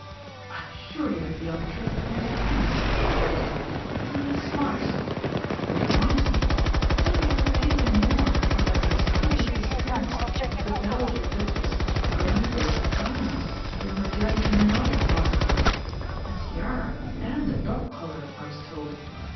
"I am sure you have the entrée into any set, Lady Harriet, even the smartest! Which reminds me. Have you heard anything more about that mysterious disappearance of the Dowager Duchess of Gleneagle's diamonds during her journey from the North last week? A tiara, and a dog collar, I was told.